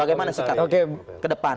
bagaimana sekalian oke ke depan